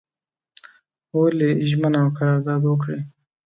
ولي ژمنه او قرارداد وکړي.